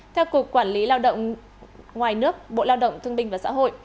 theo cục quản lý lao động ngoài nước bộ lao động thương binh và xã hội